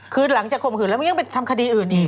คือหลังจากข่มขืนแล้วมันยังไปทำคดีอื่นอีก